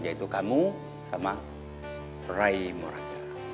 yaitu kamu sama raimuranda